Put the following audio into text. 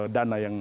dana yang lebih